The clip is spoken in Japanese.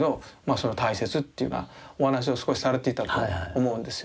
その大切っていうようなお話を少しされていたと思うんですよね。